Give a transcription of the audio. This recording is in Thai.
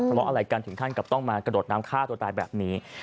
ทะเลาะอะไรกันถึงขั้นกับต้องมากระโดดน้ำฆ่าตัวตายแบบนี้